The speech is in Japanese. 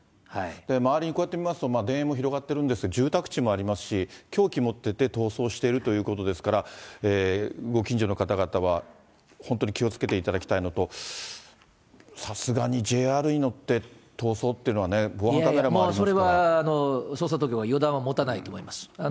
周りにこうやって見ますと、田園も広がってるんですが、住宅地もありますし、凶器持ってて逃走しているということですから、ご近所の方々は、本当に気をつけていただきたいのと、さすがにＪＲに乗って逃走っていうのはね、それは捜査当局は、予断は持たないと思います。